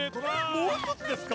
もう一つですか？